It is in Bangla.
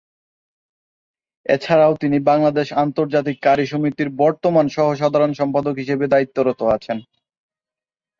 এ ছাড়াও তিনি বাংলাদেশ আন্তর্জাতিক ক্বারী সমিতির বর্তমান সহ-সাধারণ সম্পাদক হিসেবে দায়িত্বরত আছেন।